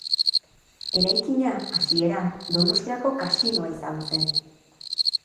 Eraikina, hasieran, Donostiako Kasinoa izan zen.